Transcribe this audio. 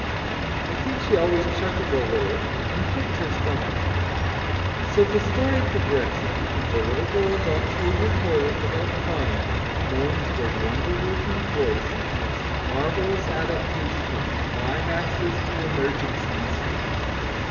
I think she always chuckled a little, and hugged her stomach. So the story progressed, and the little girl got through her toilet without crying, owing to the wonder working voice and its marvellous adaptation of climaxes to emergencies.